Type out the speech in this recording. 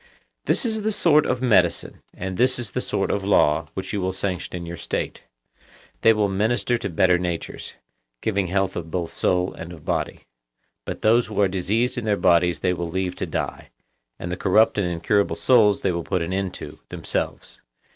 This is the sort of medicine, and this is the sort of law, which you will sanction in your state. They will minister to better natures, giving health both of soul and of body; but those who are diseased in their bodies they will leave to die, and the corrupt and incurable souls they will put an end to themselves.